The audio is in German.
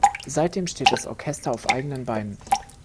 Seitdem steht das Orchester auf eigenen Beinen.